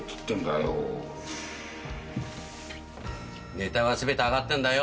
ネタは全て挙がってんだよ。